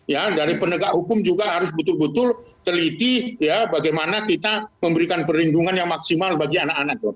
ya dari penegak hukum juga harus betul betul teliti ya bagaimana kita memberikan perlindungan yang maksimal bagi anak anak